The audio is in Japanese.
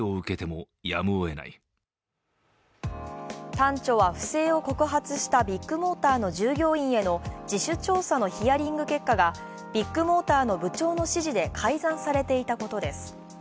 端緒は不正を告発したビッグモーターの従業員への自主調査のヒアリング結果がビッグモーターの部長の指示で改ざんされていたことです。